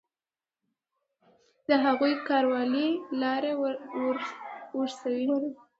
د هغوی کارولې لاره ورسوي.